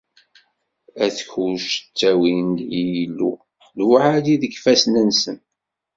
At Kuc ttawin-d i Yillu, lewɛadi deg yifassen-nsen.